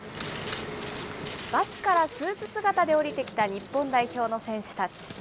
バスからスーツ姿で降りてきた日本代表の選手たち。